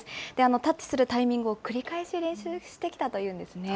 タッチするタイミングを繰り返し練習してきたというんですね。